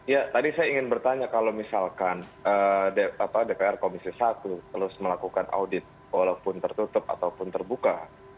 ya tadi saya ingin bertanya kalau misalkan dpr komisi satu terus melakukan audit walaupun tertutup ataupun terbuka